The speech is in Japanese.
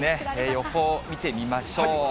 予報見てみましょう。